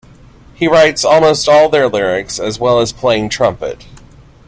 He writes almost all their lyrics as well as playing trumpet.